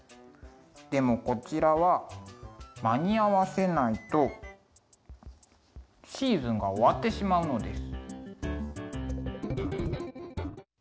でもこちらは間に合わせないとシーズンが終わってしまうのです。